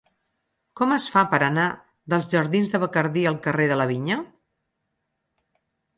Com es fa per anar dels jardins de Bacardí al carrer de la Vinya?